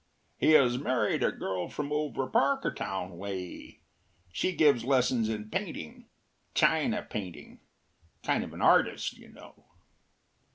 “He has married a girl from over Parkertown way. She gives lessons in painting china painting kind of an artist, you know.